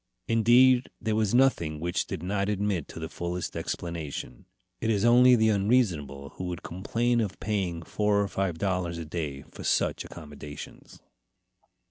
Indeed, there was nothing which did not admit of the fullest explanation. It is only the unreasonable who would complain of paying four or five dollars a day for such accommodations.